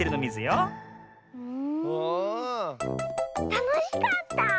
たのしかった！